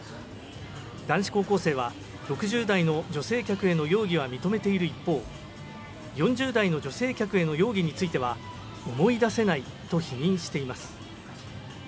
男子高校生は６０代の女性客への容疑は認めている一方、４０代の女性客への容疑については思い出せないと否認しています。